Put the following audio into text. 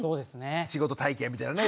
仕事体験みたいのね。